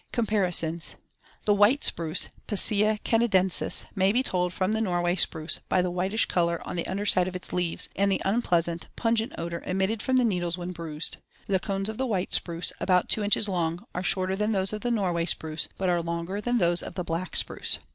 Comparisons: The white spruce (Picea canadensis) may be told from the Norway spruce by the whitish color on the under side of its leaves and the unpleasant, pungent odor emitted from the needles when bruised. The cones of the white spruce, about two inches long, are shorter than these of the Norway spruce, but are longer than those of the black spruce.